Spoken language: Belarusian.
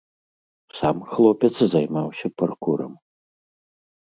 Сам хлопец займаўся паркурам.